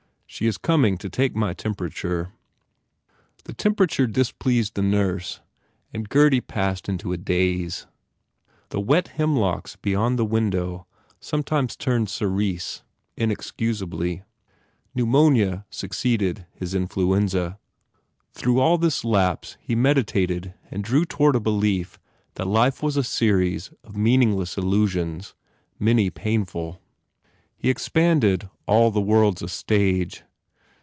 She is coming to take my temperature." The temperature dis pleased the nurse and Gurdy passed into a daze. The wet hemlocks beyond the window sometimes turned cerise, inexcusably. Pneumonia succeeded his influenza. Through all this lapse he meditated and drew toward a belief that life was a series of meaning less illusions, many painful. He expanded "All the world s a stage."